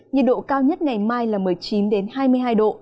nhiệt độ cao nhất ngày mai là một mươi chín hai mươi hai độ